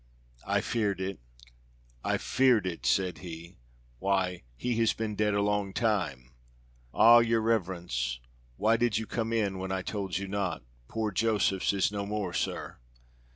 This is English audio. "I feared it! I feared it!" said he. "Why he has been dead a long time. Ah! your reverence, why did you come in when I told you not? Poor Josephs is no more, Sir."